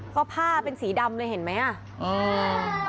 ก็ผ้าเป็นสีดำเลยเห็นไหมอ่ะอืม